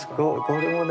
これもね。